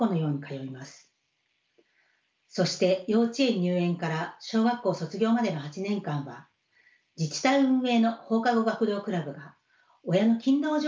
そして幼稚園入園から小学校卒業までの８年間は自治体運営の放課後学童クラブが親の勤労状況にかかわらず利用できます。